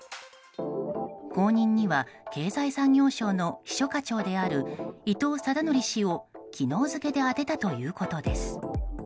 後任には経済産業省の秘書課長である伊藤禎則氏を昨日付で充てたということです。